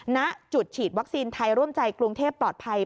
ณจุดฉีดวัคซีนไทยร่วมใจกรุงเทพปลอดภัย